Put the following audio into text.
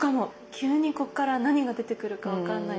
急にここから何が出てくるか分かんない。